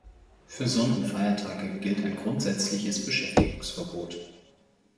Für Sonn- und Feiertage gilt ein grundsätzliches Beschäftigungsverbot.